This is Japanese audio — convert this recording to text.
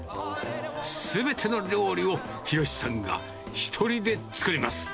すべての料理を弘さんが１人で作ります。